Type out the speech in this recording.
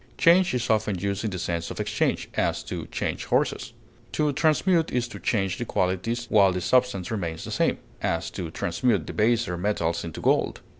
Change is often used in the sense of exchange; as, to change horses. To transmute is to change the qualities while the substance remains the same; as, to transmute the baser metals into gold.